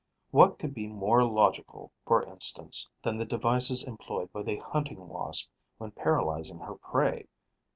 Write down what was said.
What could be more logical, for instance, than the devices employed by the Hunting Wasp when paralysing her prey (Cf.